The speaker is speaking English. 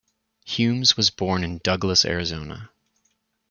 Humes was born in Douglas, Arizona.